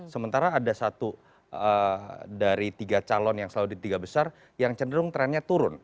sementara ada satu dari tiga calon yang selalu di tiga besar yang cenderung trennya turun